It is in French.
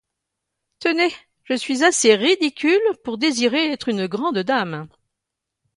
Tenez, je suis assez ridicule pour désirer être une grande dame.